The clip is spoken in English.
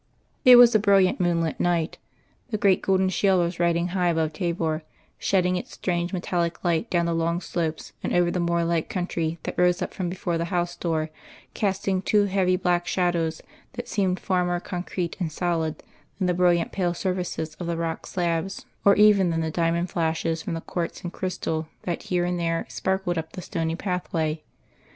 It was a brilliant moonlit night. The great golden shield was riding high above Thabor, shedding its strange metallic light down the long slopes and over the moor like country that rose up from before the house door casting too heavy black shadows that seemed far more concrete and solid than the brilliant pale surfaces of the rock slabs or even than the diamond flashes from the quartz and crystal that here and there sparkled up the stony pathway.